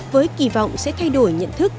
với kỳ vọng sẽ thay đổi nhận thức